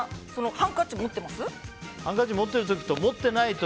ハンカチ持ってる時と持ってない時。